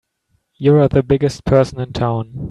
You're the biggest person in town!